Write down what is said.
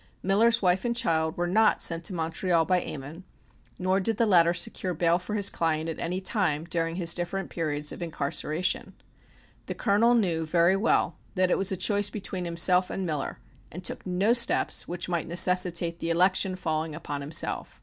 Miller's wife and child were not sent to Montreal by Ammon, nor did the latter secure bail for his client at any time during his different periods of incarceration. The colonel knew very well that it was a choice between himself and Miller and took no steps which might necessitate the election falling upon himself.